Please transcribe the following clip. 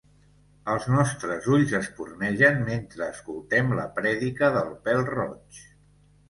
Els nostres ulls espurnegen mentre escoltem la prèdica del pèl-roig.